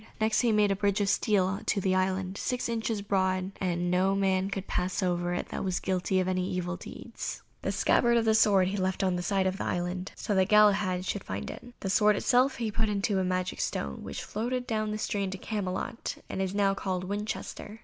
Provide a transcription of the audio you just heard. Next he made a bridge of steel to the island, six inches broad, and no man could pass over it that was guilty of any evil deeds. The scabbard of the sword he left on this side of the island, so that Galahad should find it. The sword itself he put in a magic stone, which floated down the stream to Camelot, that is now called Winchester.